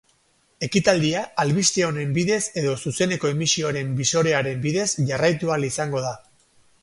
Ekitaldia albiste honen bidez edo zuzeneko emisioaren bisorearen bidez jarraitu ahal izango da.